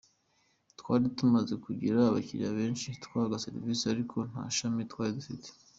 Twari tumaze kugira abakiriya benshi twahaga serivisi ariko nta shami twari dufite.